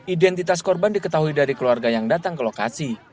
identitas korban diketahui dari keluarga yang datang ke lokasi